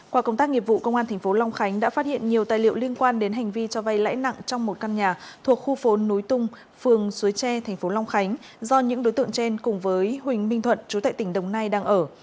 qua công tác nghiệp vụ công an tp long khánh đã phát hiện nhiều tài liệu liên quan đến hành vi cho vay lãi nặng trong một căn nhà thuộc khu phố núi tung phường suối tre tp long khánh do những đối tượng trên cùng với huỳnh minh thuận chú tại tỉnh đồng nai đang ở